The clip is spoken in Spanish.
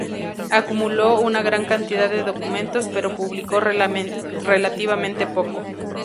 Acumuló una gran cantidad de documentos, pero publicó relativamente poco.